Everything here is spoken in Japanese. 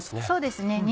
そうですね。